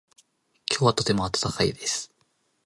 今日はとても暖かいです。